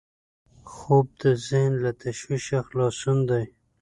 خوب د ذهن له تشویشه خلاصون دی